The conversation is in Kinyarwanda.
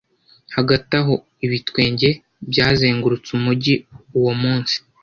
Hagati aho ibitwenge byazengurutse umujyi uwo munsi